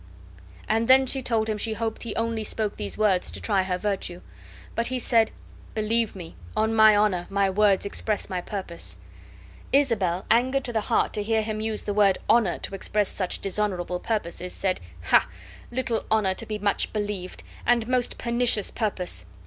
And then she told him she hoped he only spoke these words to try her virtue. But he said, "Believe me, on my honor, my words express my purpose." Isabel, angered to the heart to hear him use the word honor to express such dishonorable purposes, said: "Ha! little honor to be much believed; and most pernicious purpose.